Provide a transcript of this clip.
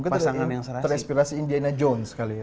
mungkin terespirasi indiana jones kali ya